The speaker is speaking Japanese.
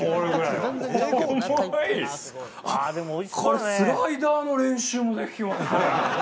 これスライダーの練習もできますね。